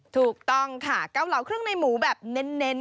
ถูกต้องค่ะเกาเหลาเครื่องในหมูแบบเน้น